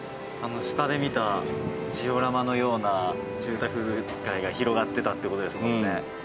宮田：下で見たジオラマのような住宅街が広がってたっていう事ですもんね。